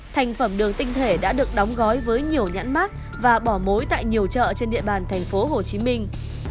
thành phẩm đường tinh thể đã được đóng gói với nhiều nhãn mát và bỏ mối tại nhiều chợ trên địa bàn thành phố hồ chí minh